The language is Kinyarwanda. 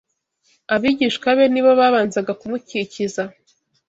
abigishwa be ni bo babanzaga kumukikiza